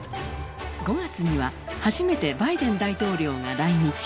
５月には、初めてバイデン大統領が来日。